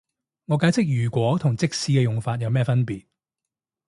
我解釋如果同即使嘅用法有咩分別